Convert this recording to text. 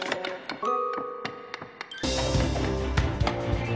あっ！